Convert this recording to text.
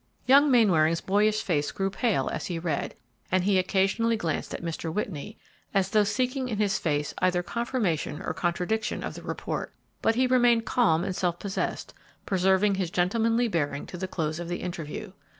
Young Mainwaring's boyish face grew pale as he read, and he occasionally glanced at Mr. Whitney, as though seeking in his face either confirmation or contradiction of the report, but he remained calm and self possessed, preserving his gentlemanly bearing to the close of the interview.